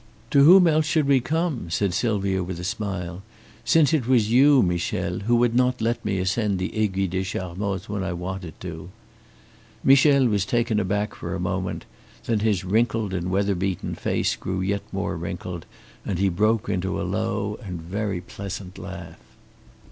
"To whom else should we come?" said Sylvia with a smile, "since it was you, Michel, who would not let me ascend the Aiguille des Charmoz when I wanted to." Michel was taken aback for a moment; then his wrinkled and weatherbeaten face grew yet more wrinkled and he broke into a low and very pleasant laugh.